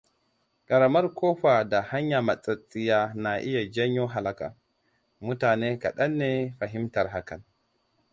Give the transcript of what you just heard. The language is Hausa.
Ƙaramar ƙofa da hanya matsattsiya na iya janyo halaka, mutane kɗan ne fahimtar hakan.